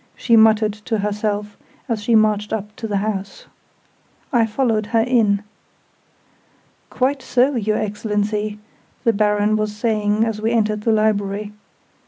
she muttered to herself, as she marched up to the house. I followed her in. "Quite so, your Excellency," the Baron was saying as we entered the Library.